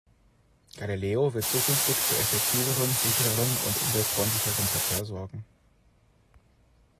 Galileo wird zukünftig für effektiveren, sichereren und umweltfreundlicheren Verkehr sorgen.